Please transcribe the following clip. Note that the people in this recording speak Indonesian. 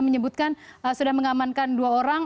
menyebutkan sudah mengamankan dua orang